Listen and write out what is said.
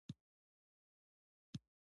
د سولې تړونونه د ډيپلوماسی لاسته راوړنه ده.